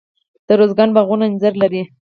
د ارزګان باغونه انځر لري.